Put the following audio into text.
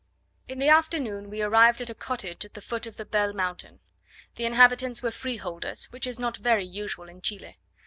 In the afternoon we arrived at a cottage at the foot of the Bell mountain. The inhabitants were freeholders, which is not very usual in Chile.